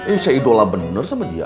eh saya idola bener bener sama dia